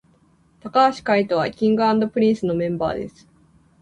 髙橋海人は King & Prince のメンバーです